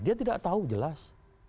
dia tidak tahu jelas